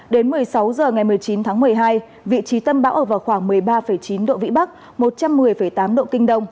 đến một mươi sáu h ngày một mươi chín tháng một mươi hai vị trí tâm bão ở vào khoảng một mươi ba chín độ vĩ bắc một trăm một mươi tám độ kinh đông